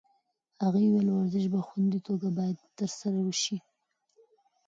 هغې وویل ورزش په خوندي توګه باید ترسره شي.